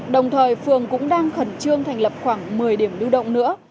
đồng thời phường cũng đang khẩn trương thành lập khoảng một mươi điểm lưu động nữa